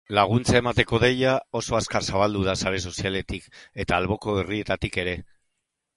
Laguntza emateko deia oso azkar zabaldu da sare sozialetatik eta alboko herrietatik ere.